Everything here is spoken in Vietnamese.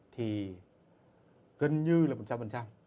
thì gần như là